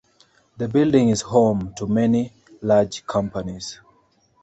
The building is home to many large companies.